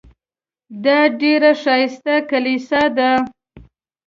دا ډېره ښایسته کلیسا ده.